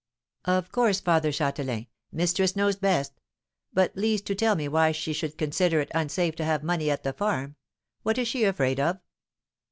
"Of course, Father Châtelain; mistress knows best. But please to tell me why she should consider it unsafe to have money at the farm. What is she afraid of?"